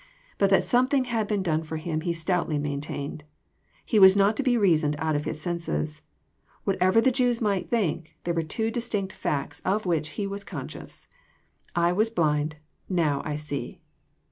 But that something had been done for him he stoutly maintained. He was not to be reasoned out of his senses. Whatever the Jews might think, there were two distinct facts of which he was conscious :" I was blind : now I see."